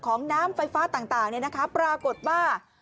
น้ำไฟฟ้าต่างปรากฏว่า